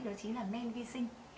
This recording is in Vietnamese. đó chính là men vi sinh